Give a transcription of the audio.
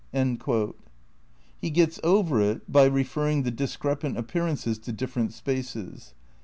' He gets over it by referring the discrepant appear ances to different spaces.